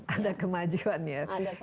ada kemajuan ya